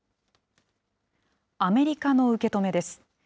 アメリカの受け止めです。